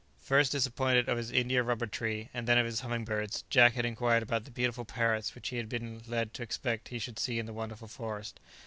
First disappointed of his India rubber tree, and then of his humming birds, Jack had inquired about the beautiful parrots which he had been led to expect he should see in this wonderful forest.